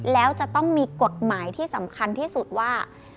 แล้วจะต้องมีกฎหมายที่สำคัญที่สุดว่า